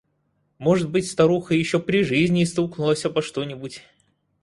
Может быть, старуха еще при жизни стукнулась обо что-нибудь?